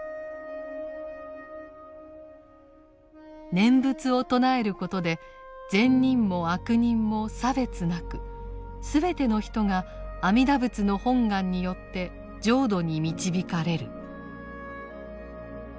念仏を称えることで善人も悪人も差別なく全ての人が阿弥陀仏の本願によって浄土に導かれる。